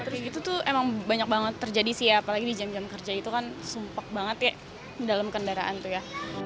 terus gitu tuh emang banyak banget terjadi sih ya apalagi di jam jam kerja itu kan sumpah banget ya dalam kendaraan tuh ya